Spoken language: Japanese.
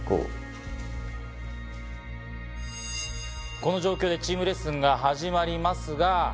この状況でチームレッスンが始まりますが。